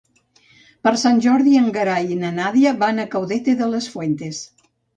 Per Sant Jordi en Gerai i na Nàdia van a Caudete de las Fuentes.